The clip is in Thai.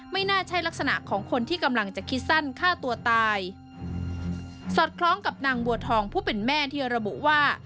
ไม่น่าใช่ลักษณะของคนที่กำลังจะคิดสั้นฆ่าตัวตายสอดคล้องกับนางบัวทองผู้เป็นแม่ที่ระบุว่า